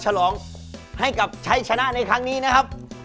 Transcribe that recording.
ฉลองให้กับชัยชนะในครั้งนี้นะครับ